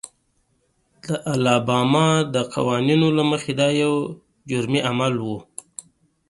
د الاباما د قوانینو له مخې دا یو جرمي عمل و.